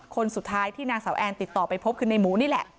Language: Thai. คนสุดท้ายที่นางสาวแอนติดต่อไปพบคือในหมูนี่แหละ